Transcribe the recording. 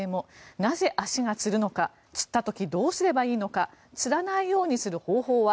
なぜ足がつるのかつった時どうすればいいのかつらないようにする方法は。